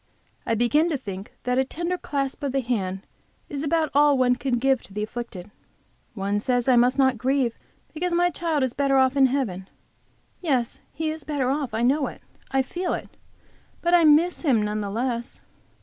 I begin to think that a tender clasp of the hand is about all one can give to the afflicted. One says I must not grieve, because my child is better off in heaven. Yes, he is better off; I know it, I feel it; but I miss him none the less.